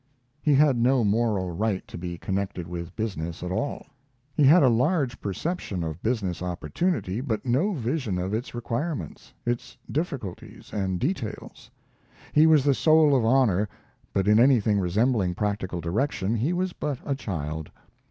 He had no moral right to be connected with business at all. He had a large perception of business opportunity, but no vision of its requirements its difficulties and details. He was the soul of honor, but in anything resembling practical direction he was but a child.